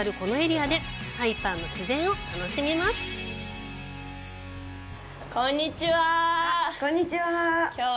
あっ、こんにちは。